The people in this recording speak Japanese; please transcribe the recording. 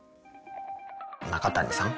中谷さん？